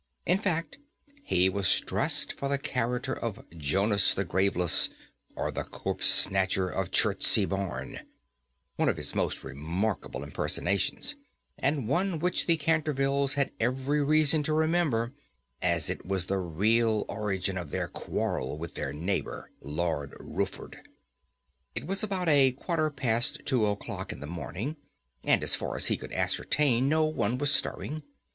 In fact, he was dressed for the character of "Jonas the Graveless, or the Corpse Snatcher of Chertsey Barn," one of his most remarkable impersonations, and one which the Cantervilles had every reason to remember, as it was the real origin of their quarrel with their neighbour, Lord Rufford. It was about a quarter past two o'clock in the morning, and, as far as he could ascertain, no one was stirring.